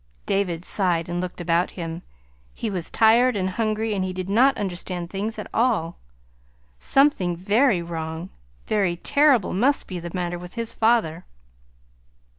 David sighed and looked about him. He was tired and hungry, and he did not understand things at all. Something very wrong, very terrible, must be the matter with his father.